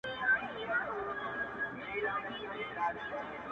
د تېرو پنځو لسيزو راهيسي